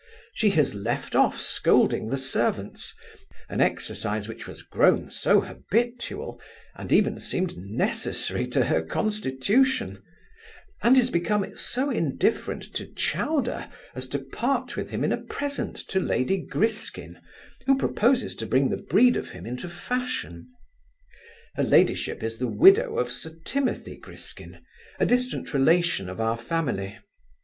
She has left off scolding the servants, an exercise which was grown habitual, and even seemed necessary to her constitution; and is become so indifferent to Chowder, as to part with him in a present to lady Griskin, who proposes to bring the breed of him into fashion. Her ladyship is the widow of Sir Timothy Griskin, a distant relation of our family.